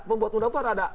pembuat mudah mudahan ada